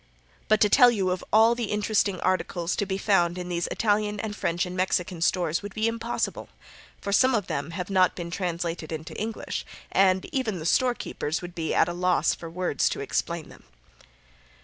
But to tell you of all the interesting articles to be found in these Italian, and French and Mexican stores, would be impossible, for some of them have not been translated into English, and even the storekeepers would be at a loss for words to explain them.